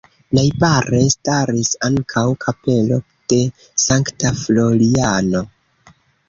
Najbare staris ankaŭ kapelo de Sankta Floriano.